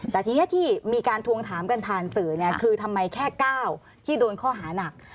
แต่ทีนี้ที่มีการทวงถามกันผ่านสื่อเนี่ยคือทำไมแค่๙ที่โดนข้อหานัก